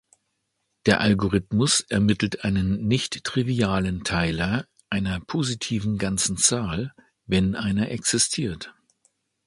Der Algorithmus ermittelt einen nichttrivialen Teiler einer positiven ganzen Zahl, wenn einer existiert.